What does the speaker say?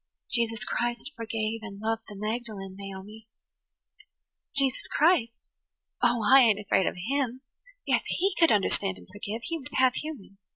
"Jesus Christ forgave and loved the Magdalen, Naomi." "Jesus Christ? Oh, I ain't afraid of Him. Yes, He could understand and forgive. He was half human.